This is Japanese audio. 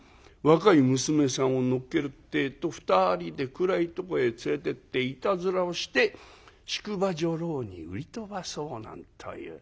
若い娘さんを乗っけるってえと２人で暗いとこへ連れてっていたずらをして宿場女郎に売り飛ばそうなんという。